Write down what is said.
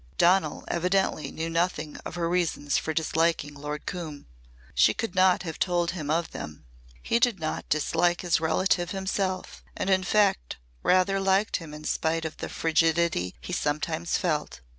Donal evidently knew nothing of her reasons for disliking Lord Coombe. She could not have told him of them. He did not dislike his relative himself and in fact rather liked him in spite of the frigidity he sometimes felt.